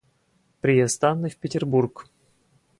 Приезд Анны в Петербург.